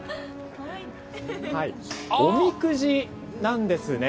おみくじなんですね。